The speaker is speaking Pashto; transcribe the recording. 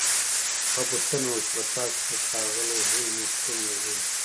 هغه پوښتنه وکړه چې په تاسو کې ښاغلی هولمز کوم یو دی